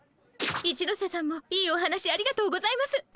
一ノ瀬さんもいいお話ありがとうございます。